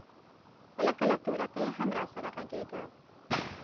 کله کله تورکى هم راسره ږغېده.